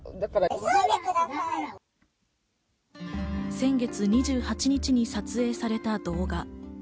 先月２８日に撮影された動画。